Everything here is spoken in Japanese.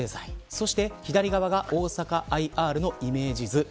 そして左側が大阪ＩＲのイメージ図。